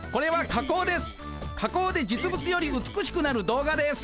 加工で実物より美しくなる動画です。